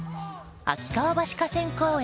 秋川橋河川公園